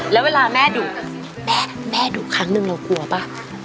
แล้วเวลาแม่ดุแม่ดุครั้งหนึ่งเรากลัวป่ะ